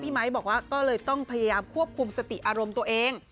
พี่ไมค์บอกว่าต้องขวบคุมสติอารมณ์ตัวเอง